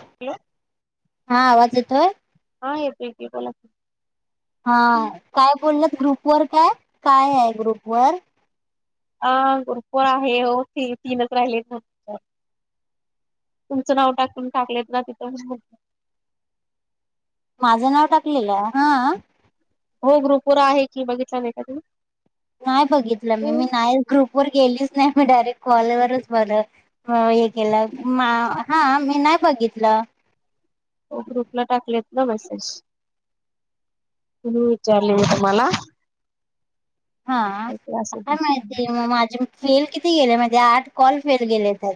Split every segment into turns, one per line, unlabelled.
Hello!
हा आवाज येतोय?
हा येतोय की बोला की
हा काय बोललं ग्रुप वर काय? काय आहे ग्रुप वर?
अ ग्रुपवर आहे. हो ते तीनच राहिले फ तुमचं नाव टाकून, टाकलेत ना तिथं
माझं नाव टाकलेलंय हा अ
हो ग्रुपवर आहे. की बघितला नाही का तुम्ही?
नाही बघितलं मी मी नाही ग्रुप वर गेलीच नाही मी डायरेक्ट कॉलवरच बर हो हे केलं, हा मी नाही बघितलं
ग्रुपला टाकलेत ना मेसेज म्हणून विचारले मी तुम्हाला
हा,
असू
काय
दे
माहिती मग माझे फेल किती गेले माझे आठ कॉल फेल गेले तर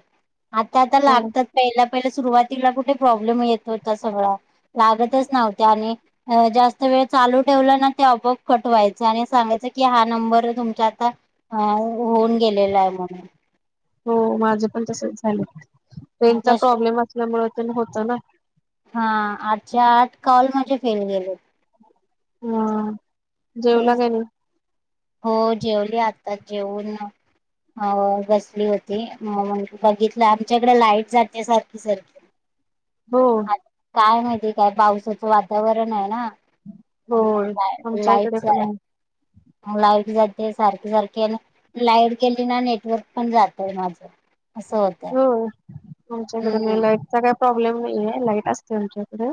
आता आता
हो
लागतात पहिला पहिला सुरुवातीला कुठे प्रॉब्लेम येत होता सगळा लागतच नव्हत्या आणि अ जास्त वेळ चालू ठेवला ना ते अपोआप कट व्हायचं आणि सांगायचं कि हा नंबर तुमचा आता हे होऊन गेलेला आहे म्हणून
हो माझं पण तसंच झालंय रेंजचा
आता श-
प्रॉब्लेम असल्यामुळे, पण होतं ना?
हा आठच्या आठ काॅल माझे फेल गेलेत
हा जेवला
तेच
काय नायी?
हो जेवली आताच जेऊन हो बसली होती मग बघितलं आमच्याकडे लाईट जाते सारखी सारखी [inaudible]
हो
आ- काय माहिती काय पावसाचं वातावरणय ना, त्यामुळं
होय
काय
आमच्या
लाईट
इकडे पण आहे
लाईट जाते सारखी सारखी, आणि लाईड गेली ना नेटवर्क पण जातय माझं असं होतंय
हो आमच्याकडे
हम्म.
नाही लाईटचा काय प्रॉब्लेम नाहीए लाईट असते आमच्याकडे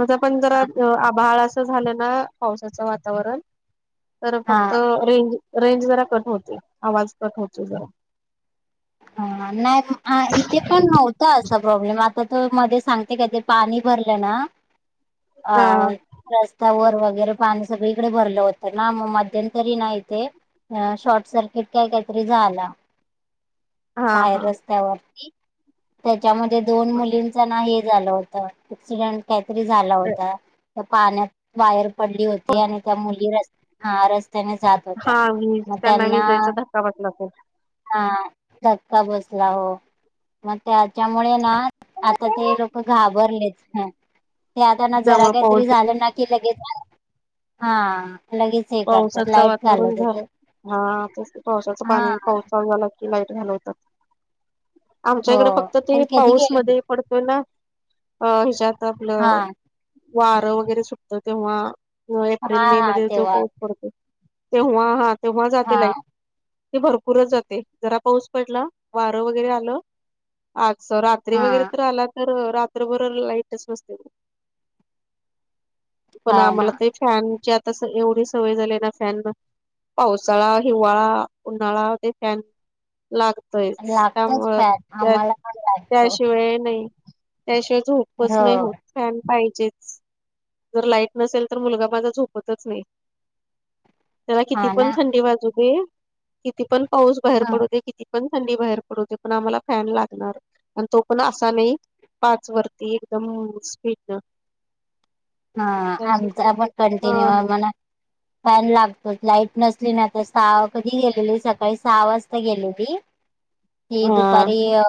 आता पण जरा आभाळ असं झालं ना पावसाचं वातावरण तर
हा
फक्त रेंज रेंज जरा कट होते, आवाज कट होते जरा
हा नाही इथे पण नव्हत असा प्रॉब्लेम आ तर त मध्ये सांगते का ते पाणी भरलं ना? अ
हा
रस्तावर वगैरे पाणी सगळीकडे भरलं होतं ना मग मध्यंतरी ना इथे अ शॉर्ट सर्किट काय काहीतरी झाला
हा
बाहेर
हा
रस्त्यावरती त्याच्यामध्ये दोन मुलींचं ना हे झालं होत एक्सिडंट काहीतरी झाला होता त्या पाण्यात वायर पडली होती आणि त्या मुली रस्त्या हा रस्त्याने जात होत्या,
हा वीज
मग त्यांना
विजेचा धक्का बसला तो
हा, झटका बसला हो मग त्याच्यामुळे ना आता ते लोकं घाबरलेत ते आता ना जरा
त्यामुळे पाऊस
काहीतरी झाल ना कि लगेच हा लगेच हे करतात
पावसाच
लाईट
वातावरण
घालत ते
झालं हा पावसाच
हा
पाणी पावसाळा झाला लाईट घालवतात आमच्या
हो
इकडे फक्त
तर
ते
कधी गेले
पाऊसमध्ये. पडतोय ना अ ह्याच्यात आपल
हा
वार वगैरे सुटत तेव्हा
हा
एप्रिल मे
हा
मध्ये जो
तेव्हा
पाऊस पडतो तेव्हा हा तेव्हा
हा
जाते लाईट. ते भरपूरच जाते जरा पाऊस पडला वार वगैरे आल आज जरा रात्री वगैरे
हा
तर आला तर रात्रभर लाईटच नसते. पण
हा
आम्हाला
ना
ते फॅनचे आता एवढेच सवय झाले ना फॅन पावसाळा, हिवाळा, उन्हाळा ते फॅन लागतयच
लागतोच
त्यामुळ
फॅट
त्या
आम्हाला पण लागतो
त्याशिवाय नाही. त्याशिवाय झोपच
हो
नाही होत. फॅन पाहिजेच जर लाईट नसेल तर मुलगा माझा झोपतच नाही. त्याला किती
हा
पण
ना
थंडी वाजू दे किती पण पाऊस बाहेर
ह
पडू दे किती. पण थंडी बाहेर पडूदे पण आम्हाला फॅन लागणार आणि तो पण असा नाही. पाच वरती एकदम स्पीड न.
हा आमचा पण कंटिन्यू
न
आम्हाला फॅन लागतोच लाईट नसली ना आता सहा कधी गेलेली सकाळी सहा वाजता गेलेली. ती
हा
दुपारी अ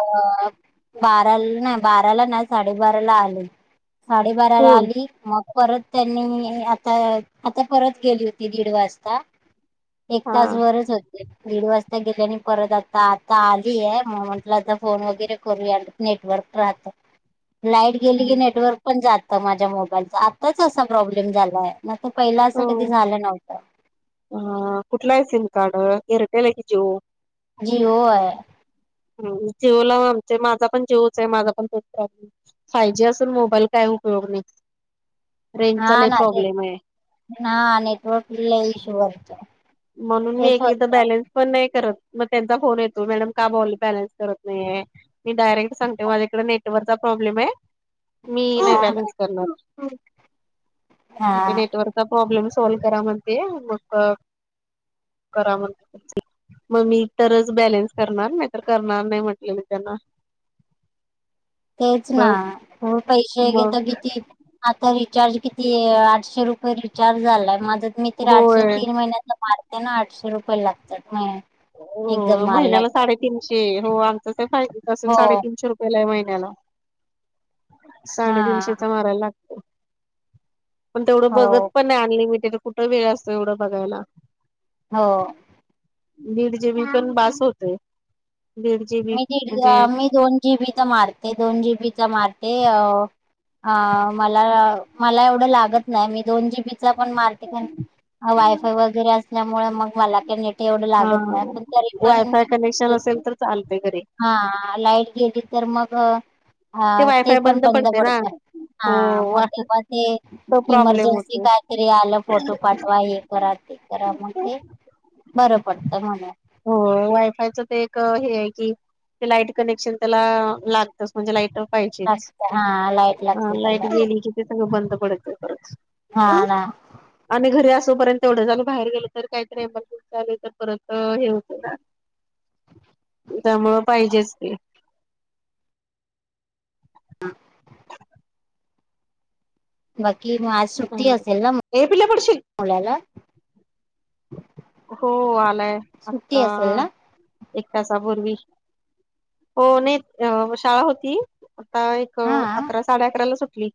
बारा नाही बाराला नाही साडेबाराला आली साडेबाराला
फोन
आली. मग परत त्यांनी आता आता परत गेली होती दीड वाजता. एक
हा
तासभरच होती. दीड वाजता गेली आणि परत आता आता आली आहे मग म्हंटल आता फोन वगैरे करूया. नेटवर्क राहत. लाईट गेली की नेटवर्क पण जात माझ्या मोबाईलचा आत्ताच असा प्रॉब्लेम झालाय. नाही तर पहिल अस कधी झाल नव्हत.
ह कुठला आहे सिम कार्ड एअरटेल आहे कि जीओ.
जिओ आहे.
ह जीओला आम माझा पण जीवच आहे माझा पण तोच प्रॉब्लेम फाय जी असून मोबाईल काय उपयोग नाही. रेंजचा
हां
लय
ना तेच
प्रॉब्लेम आहे
नेटवर्कचा इश्यू आहे.
म्हणून मी एक एकदा बॅलेन्स पण नाही करत मग त्यांचा फोन येतो मॅडम का बोल बॅलन्स करत नाहीे मी डायरेक्ट सांगते माझ्याकडे नेटवर्कचा प्रॉब्लेम आहे. मी नाही
हा
बॅलन्स करणार ते
हा,
नेटवर्क प्रॉब्लेम सॉल्व करा म्हणते मग करा म्हण मग मी तरच बॅलेन्स करणार नाही. तर करणार नाही म्हंटले मी त्यांना.
तेच
ब
ना खर पैसे घेतात
मग
तर किती आता रिचार्ज किती आठशे रुपय रुपये रिचार्ज झालाय माझ मी तर आठशे
होय.
तीन महिन्याचा मारते ना आठशे रुपये लागतात. एकदम
हो
मारला
महिन्याला
तर
साडेतीनशे हो आमचा फाय जीच असेल
हो
साडेतीनशे रुपये. झालाय महिन्याला
हा
साडेतीनशेचा मारायला लागत. पण तेवढं
हो
बघत पण नाही अनलिमिटेड कुठ वेळ असतोय एवढ बघायला.
हो
दीड जीबी पण बास होतोय. जीबी
मी दिड,
म्हणजे
मी दोन जीबी चा मारते, दोन जीबीचा मारते अ मला, मला एवढं येवढं लागत नाय, मी दोन जीबी चा पण मारते, वायफाय वगैरे असल्यामुळे मग मला काय नेट एवढं
हा
लागत नाही, पण तरी पण
वायफाय कनेक्शन
एक-
असेल तर चालतंय घरी
हा लाईट गेली तर मग अ, ते
वायफाय
पण बंद
पडते ना
पडतं
हो
हा, मग
वा
तेव्हा ते
तो प्रॉब्लेम
इमर्जन्सी
होतो
काय तरी आलं फोटो पाठवा एक हे करा ते करा म ते बरं पडतं म्हणून
हो वायफायच ते एक, हेय की ते लाईट कनेक्शन त्याला, लागतच म्हणजे लाईट पाहिजेच,
लागत हा लाईट
हा
लागते
लाईट
त्याला
गेली की ते सगळं बंद पडतय परत
हा ना
आणि घरी असोपर्यंत तेवढंच आणि बाहेर गेलो तर काहीतरी मग आले तर परत अं हे होतंय ना त्यामुळं पाहिजेच ते
बाकी, मग आज सुट्टी असेल ना?
ए पिल्या पडशील
मुलाला
हो, आलाय
सुट्टी
आत्ता
असेल ना
एक तासापूर्वी, हो नाही शाळा होती आता एक,
हा
अकरा साडे अकरा ला सुटली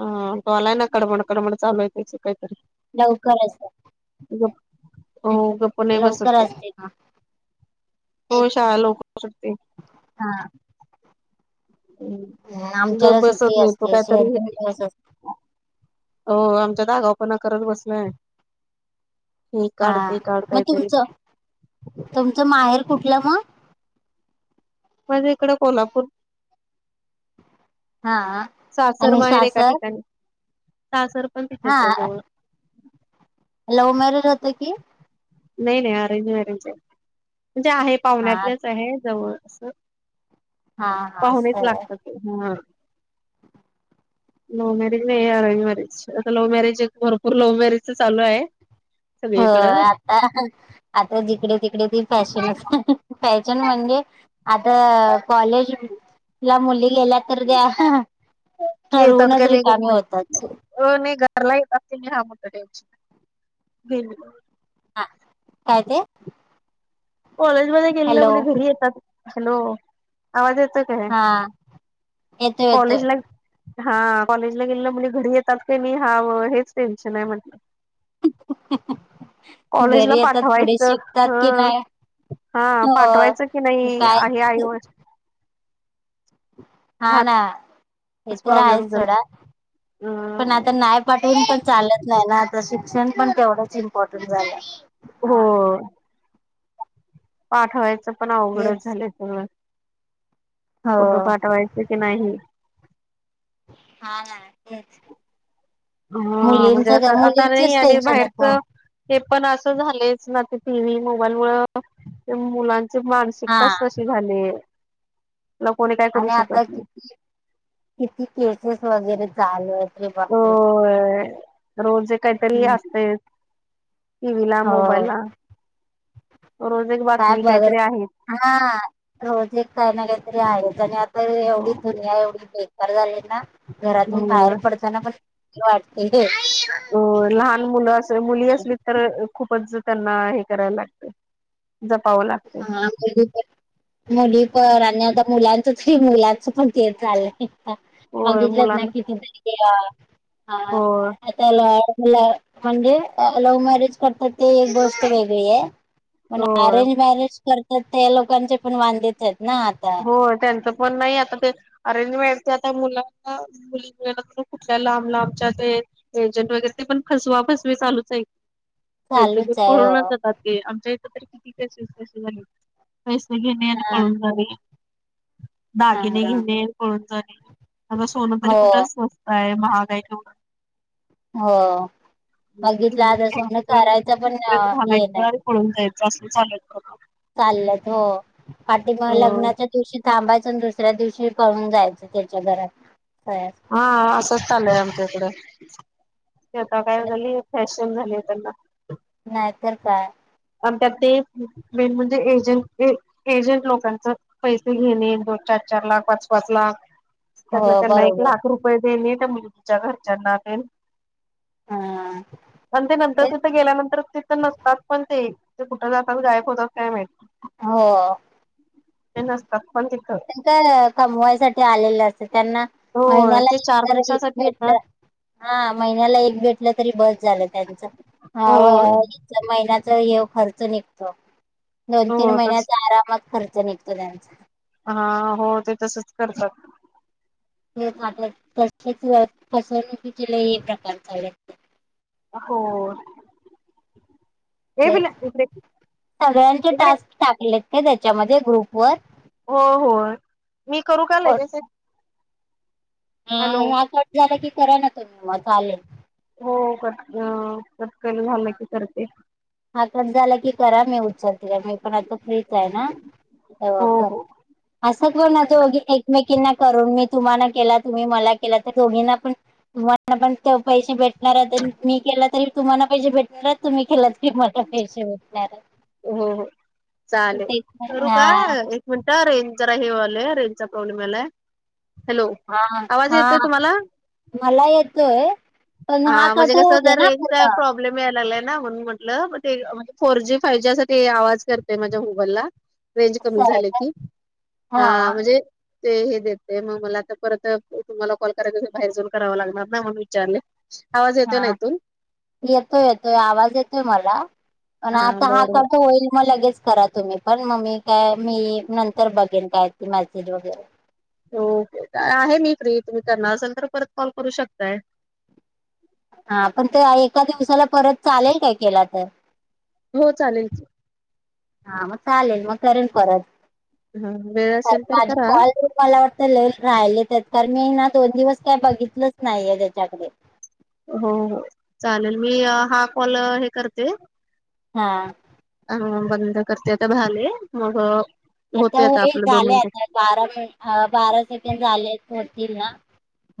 हा तो आलाय ना कडमड कडमड चालूय त्याची कायतरी
लवकर असल
गप्पा, हो गप्पा नाही बस
करायचय का?
हो शाळा लवकर सुटती
हा ह्
गप
आमच्याला
बसत
सुट्टी
नाही तो
असते,
काहीतरी
[unintelligible] दिवस असतो.
हो आमच्यात आगावपणा करत बसलाय हे काढ
हा,
ते काढ
मग
काहीतरी
तुमचं, तुमचं माहेर कुठलं म?
माझं इकडं कोल्हापूर
हा आ
सासर माहेर एका ठिकाणी, सासर पण
हा
तिथेच आहे जवळ
लव्ह मॅरेज होतं की
नाही, नाही, अरेंज मॅरेजय, म्हणजे आहे
हा
पाहुण्यातलच आहे जवळचं.
हा हा
पाहुणेच
हो
लागतात ते हम लव्ह मॅरेज नाही, अरेंज मॅरेज, आता लव्ह मॅरेज एक भरपुर लव्ह मॅरेजच चालूय
होय आता, आता जिकडे तिकडे ती फॅशनचय [inaudible] फॅशन म्हणजे आता, कॉलेज ला मुली गेल्या तर त्या, ठरवूनच रिकामी होतात
ओ नाही घरला येत असते मी हा मोठा टेन्शन [unintelligible]
हा, काय ते?
कॉलेजमध्ये गेलेल्या
हॅलो
मुली घरी येतात, हॅलो! आवाज येतोय?
हा
[unintelligible]
येतोय येतोय
कॉलेजला हा, कॉलेजला गेलेल्या मुली घरी येतात की नाही हा व हेच टेन्शन आहे म्हटलं
[inaudible]
कॉलेजला
येतात पुढे
पाठवायचं,
शिकतात की
हं
नाही
हा
हो
पाठवायचं की नाही,
काय
आहे आई वड
हा ना, हे
हाच
तर
प्रॉब्लेम
आहेच सोडा, पण
झाला
आता नाय पाठवून पण चालत नाही ना, आता शिक्षण पण तेवढंच, इम्पॉर्टंट झालंय.
हो. पाठवायचं पण अवघडच
तेच
झालंय सगळं,
हो
कुठं पाठवाय? च की नाही?
हा ना, तेच.
हां, म्हणजे
मुलींच
असं आता नही
मुलींचेच
आणि
टेन्शन येत
बाहेरच?
मग
ते पण असं झालयचं ना, ते टी व्ही, मोबाईलमूळ त्या मुलांचे मार्क्स
हा
शिकतास तशी झाले, त्याला कोणी काय करू
आणि आता
शकत नही.
किती किती केसेस वगैरे चालू येत.
होय, रोजे ये काहीतरी असतय. टी व्हीं ला,
हो
मोबईल ला. रोज एक बा तमी काहीतरी आहे.
हां, रोज एक काय ना, काहीतरी आहेच आणि आता
हो
एवढी दुनिया एवढी चे बरं झालंय ना, घरातून बाहेर पडताना, पण [unintelligible] कसतर वाटतंय.
अ, लहान मुलं असं मुली असली, तर खूपच त्यांना, हे करायला लागत. जपाव लाग
हां, आमच्या तिथं मुली पण आणि आता मुलांचच की, मुलांच पण ते चाललंय [unintelligible]
होय
बघितलंत ना
मुलांना
किती तरी [unintelligible]
होय
त्याला ह्याला, म्हणजे लव्ह मॅरेज करतात, ती एक गोष्ट वेगळी ये. पण
होय
अरेंज मॅरेज करतात, त्यां लोकांचे पण वांदे चं येत ना आता.
हो, त्यांचं पण नाही, आता ते अरेंज मॅरेज च्या आता मुलांना मुली मिळेनात, कुठल्या लांब लांबच्या ते एजंट वगैरे ते पण फसवा फसवी चालूच ये, पैसे घेवून
चालूच आहे
पळूनच
हो
जातात. ते आमच्या इथं, तर किती केसेस तसे झालेत, पैसे घेणे आणि
हा
पळून जाणे.
हा
दागिने
हा
घेणे, अन पळून जाणे, अग सोनं तरी
हो
कुठं स्वस्त ये, महाग हाय केवढं.
हो
[unintelligible]
बघितला आता सोनं करायचं पण हे नाही
घालायचं. पळून जायायचं, असलं चालू येत प्रकार.
चालल्यात, हो पाटी मग लग्नाच्या दिवशी थांबायच, अन दुसऱ्या दिवशी पळून जायचं, त्याच्या घरात [unintelligible]
आं असंच, चालूय आमच्याकडं, ती आता काय झाली, फॅशन झालीय त्यांना.
नाहीतर काय.
आणि त्यात ते, मेन म्हणजे एजंट ने एजंट लोकांच पैसे घेणे, दोन चार-चार लाख, पाच-पाच लाख. त्यातलं
हो
त्यांना एक
बरोबर
लाख रुपये देणे, त्या मुलीच्या घरच्यांना तेन.
हं.
आणि ते नंतर, तिथं गेल्यानंतर, तिथं नसतात पण ते, ते कुठं जातात?, गायब होतात, काय माहित.
हहॉ.
ते नसतात पण तिथं.
ती क कमवायसाठी आलेलं असत्यात, त्यांना
होय
महिन्याला
ते चार
[unintelligible]
दिवसासाठी येतात
भेटलं. हां, महिन्याला एक भेटलं, तरी बस झालं, त्यांचं, ह
होय
व. चां महिन्याच ह्यो खर्च निघतो, दोन-तीन
हो तस
महिन्याचा आरामात खर्च निघतो, त्यांचा.
हां, हो ते तसच करतात.
[unintelligible] फसवणुकीचे लय हे प्रकार चालूयात.
हो, हे बी
तेच
इकडे
सगळ्यांचे
इकडे
टास्क टाकलेत काय त्याच्यामध्ये ग्रुप वर.
हो होय मी करू का लगेच एक.
ह
हॅलो
ह्या कट झालं की करा ना मग चालेल.
हो कट न कट केलं झालं की करते.
हा कट झाला की करा मी उचलते मी पण आता फ्रीच आहे ना. ते हो का, असंच बघ ना दोघी एकमेकींना करून मी तुम्हाना केला तुम्ही मला केला तर दोघींना पण तुम्हाला पण पैसे भेटणार मी केला तरी तुम्हाला पैसे भेटणार तुम्ही केला. क [unintelligible] म कसे वल्यार
हो हो, चालेल करू का
ना.
एक. म्हणता रेंज जरा हे व्हायल रेंजचा प्रॉब्लेम आलाय हॅलो.
हा हा
आवाज
हा
येतोय
हा,
तुम्हाला
मला येतय. पण हा कट होऊ दे ना पूर्ण.
पले मिळालेना म्हणून म्हटलं ते फोर जी. पैशासाठी आवाज करतय माझ्या मोबाईलला. रेंज
असं
कमी
आहे
झाले
का
की हा म्हणजे. ते हे देतय मग मला आता परत तुम्हाला कॉल कराय बाहेर जाऊन करावं लागणार ना म्हणून विचारले. आवाज येतो ना
हा
इथून.
येतोय येतोय आवाज येतोय मला पण आता हा
बरं बर
कट होईल मग लगेच कराच. तुम्ही पण म मी काय मी नंतर बघेन काय त मेसेज वगैरे.
ओके आहे मी फ्री तुम्ही करणार असाल तर परत कॉल करू शकताय.
हा पण ते एका दिवसाला परत चालेल काय केला तर.
हो चालेल की.
हा मग चालेल मग करेन परत
हा वेळ असेल तर
माझ
करा
कॉल. मला वाटतं लई राहिलेत आहेत कारण मी ना दोन दिवस काही बघितलंच नाहीये त्याच्याकडे.
हो हो, चालेल मी हा कॉल हे करते.
हा,
ह बंद करर्तेयता भाले मग.
आता
होते
होयई
आपलं दोन
झालं
मिनिट
आता. बारा बारा सेकंड झाले होतील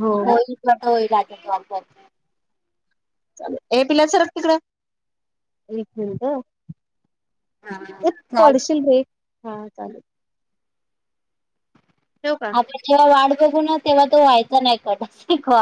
हो हो
होईल. होईल [unintelligible]
ए पिल्या सरच तिकडं एक मिनिट.
हा
एक
चाल
पडशील रे हा चालेल. ठेवू का.
जेव्हा वाट बघू ना तेव्हा तो व्हायचा नाही कट.